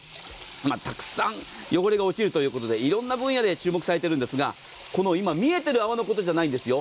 たくさん汚れが落ちるということで色んな分野で注目されているんですがこの今、見えている泡のことじゃないんですよ。